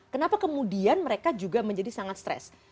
kenapa kemudian mereka juga menjadi sangat stres